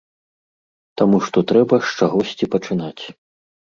Таму што трэба з чагосьці пачынаць.